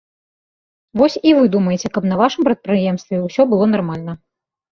Вось і вы думайце, каб на вашым прадпрыемстве ўсё было нармальна.